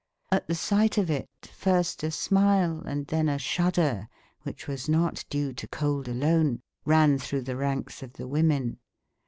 At the sight of it first a smile and then a shudder, which was not due to cold alone, ran through the ranks of the women.